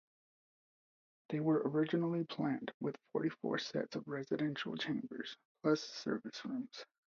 They were originally planned with forty-four sets of residential chambers, plus service rooms.